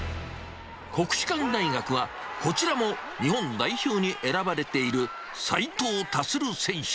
国士舘大学は、こちらも日本代表に選ばれている斉藤立選手。